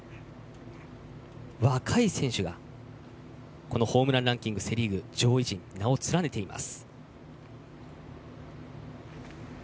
若い選手がこのホームランランキングセ・リーグ上位陣に名を連ねています。